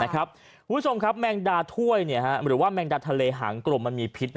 คุณผู้ชมครับแมงดาถ้วยหรือว่าแมงดาทะเลหางกลมมันมีพิษ